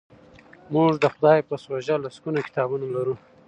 موږ د خدای په سوژه لسګونه کتابونه لرو.